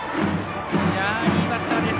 いいバッターです。